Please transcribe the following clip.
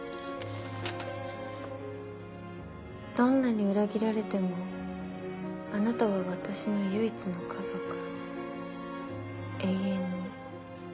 「どんなに裏切られても、あなたは私の唯一の家族、永遠に。」